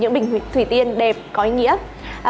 những bỉnh hoa thủy tiên đẹp có ý nghĩa